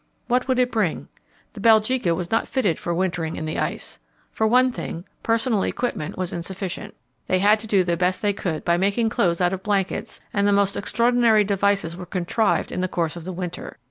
What would it bring? The Belgica was not fitted for wintering in the ice. For one thing, personal equipment was insufficient. They had to do the best they could by making clothes out of blankets, and the most extraordinary devices were contrived in the course of the winter.